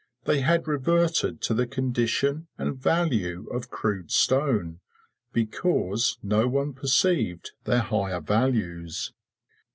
They had reverted to the condition and value of crude stone, because no one perceived their higher values.